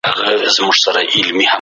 د هغه د زعفرانو له امله.